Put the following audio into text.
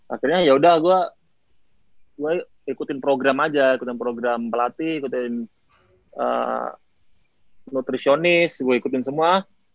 akhirnya yaudah gue ikutin program aja ikutin program pelatih ikutin nutritionis gue ikutin semua